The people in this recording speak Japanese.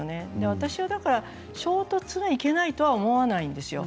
私はだから衝突がいけないとは思わないですよ。